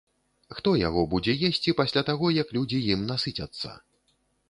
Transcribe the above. Хто яго будзе есці пасля таго, як людзі ім насыцяцца?